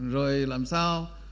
rồi làm sao